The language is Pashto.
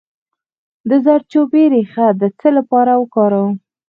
د زردچوبې ریښه د څه لپاره وکاروم؟